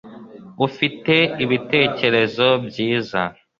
Ufite ibitekerezo byiza